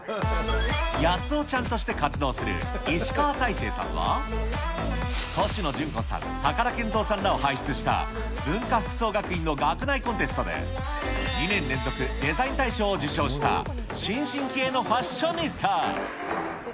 やすおちゃんとして活動する、石川泰生さんは、コシノジュンコさん、高田賢三さんらを輩出した、文化服装学院の学内コンテストで、２年連続デザイン大賞を受賞した新進気鋭のファッショニスタ。